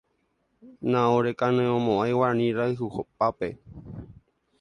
Naorekaneʼõmoʼãi Guarani rayhupápe.